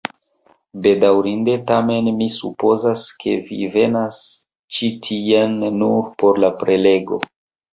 Bedaŭrinde, tamen mi supozas, ke vi venas ĉi tien nur por la prelego